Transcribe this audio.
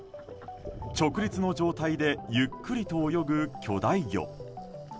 直立の状態でゆっくりと泳ぐ巨大魚。